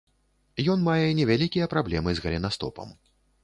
Ён мае невялікія праблемы з галенастопам.